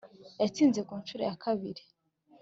Yatsinze ku ncuro ya kabiri